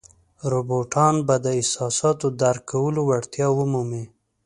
روباټان به د احساساتو درک کولو وړتیا ومومي.